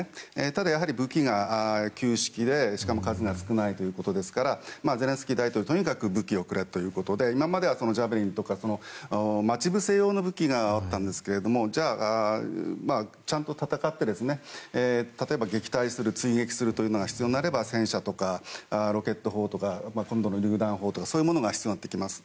ただ、やはり武器が旧式でしかも数が少ないということですからゼレンスキー大統領はとにかく武器をくれということで今まではジャベリンとか待ち伏せ用の武器があったんですがちゃんと戦って例えば、撃退する追撃するということが必要になれば戦車とかロケット砲とかりゅう弾砲とかそういうものが必要になってきます。